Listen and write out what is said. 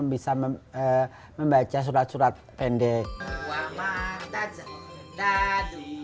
bisa membaca surat surat pendek